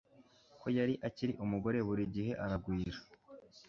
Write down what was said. ko yari akiri umugore buri gihe aragwira